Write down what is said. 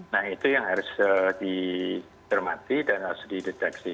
nah itu yang harus dicermati dan harus dideteksi